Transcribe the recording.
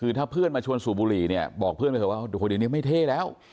คือถ้าเพื่อนมาชวนสูบบุหรี่เนี่ยบอกเพื่อนไปเถอะว่าเดี๋ยวนี้ไม่เท่แล้ว